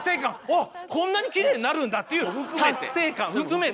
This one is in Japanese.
「おっこんなにきれいになるんだ！」っていう達成感含めて。